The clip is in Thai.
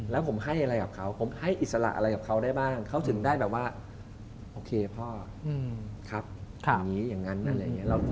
แล้วผมให้อะไรกับเขาผมให้อิสระอะไรกับเขาได้บ้างเขาถึงได้แบบว่าโอเคพ่อครับอย่างนี้อย่างนั้นอะไรอย่างนี้